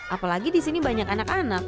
apalagi di sini banyak anak anak